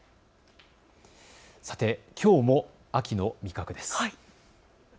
さて、きょうも秋の味覚です。